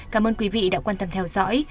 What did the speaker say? cảm ơn quý vị đã quan tâm theo dõi